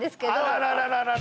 あらららら